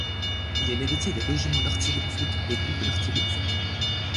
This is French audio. Il est l'héritier des régiments d'artillerie d'Afrique et groupes d'artillerie d'Afrique.